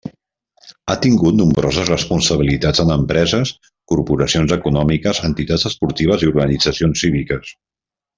Ha tingut nombroses responsabilitats en empreses, corporacions econòmiques, entitats esportives i organitzacions cíviques.